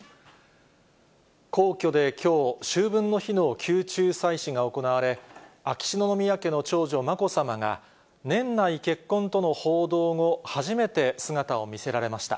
皇居できょう、秋分の日の宮中祭祀が行われ、秋篠宮家の長女、まこさまが、年内結婚との報道後、初めて姿を見せられました。